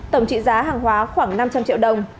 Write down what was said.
tổng trị giá hàng hóa khoảng năm trăm linh triệu đồng